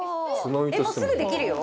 もうすぐできるよ。